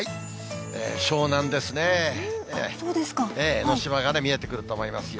江の島がね、見えてくると思いますよ。